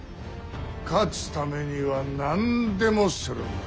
勝つためには何でもするんだ。